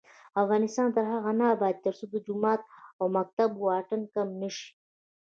افغانستان تر هغو نه ابادیږي، ترڅو د جومات او مکتب واټن کم نشي.